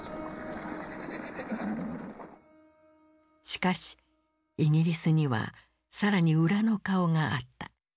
しかしイギリスには更に裏の顔があった。